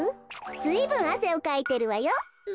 ずいぶんあせをかいてるわよ。